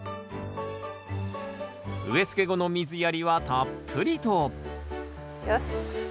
植えつけ後の水やりはたっぷりとよし。